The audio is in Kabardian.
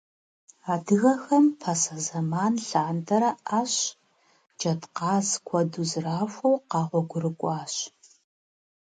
Адыгэхэм пасэ зэман лъандэрэ Ӏэщ, джэдкъаз куэду зэрахуэу къэгъуэгурыкӀуащ.